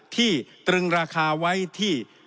ตรึงราคาไว้ที่